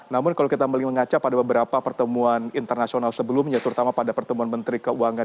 namun kalau kita mengaca pada beberapa pertemuan internasional sebelumnya terutama pada pertemuan menteri keuangan